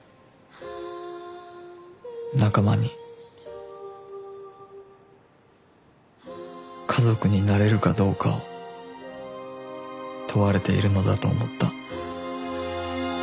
仲間に家族になれるかどうかを問われているのだと思った